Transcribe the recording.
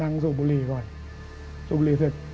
นั่งสู่บุรีก่อนสู่บุรีเสร็จ